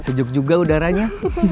sejuk juga udaranya